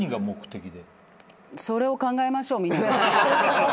それを考えましょうみんなで。